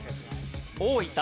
大分。